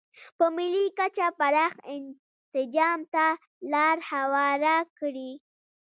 په ملي کچه پراخ انسجام ته لار هواره کړي.